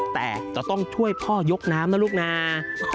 แต่จะต้องช่วยพ่อยกน้ำนะลูกนะ